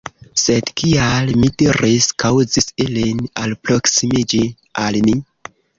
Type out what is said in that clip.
Sed kial, mi diris, kaŭzis ilin alproksimiĝi al ni?